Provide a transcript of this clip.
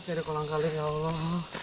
ini udah kurang kali ya allah